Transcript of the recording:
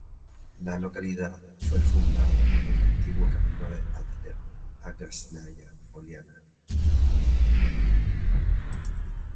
La localidad fue fundada en el antiguo camino de Ádler a Krásnaya Poliana.